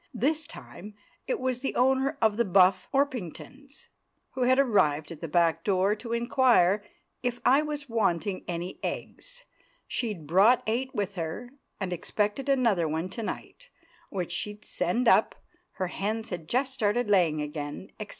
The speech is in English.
This time it was the owner of the Buff Orpingtons, who had arrived at the back door to inquire if I was wanting any eggs—she'd brought eight with her, and expected another one to night, which she'd send up—her hens had just started laying again, etc.